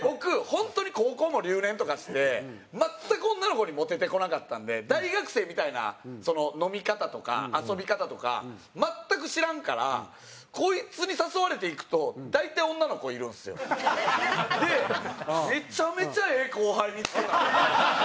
本当に高校も留年とかして全く女の子にモテてこなかったんで大学生みたいな飲み方とか遊び方とか全く知らんからこいつに誘われて行くとめちゃめちゃええ後輩見付けた。